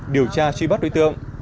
điều tra truy bắt đối tượng